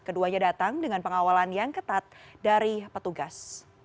keduanya datang dengan pengawalan yang ketat dari petugas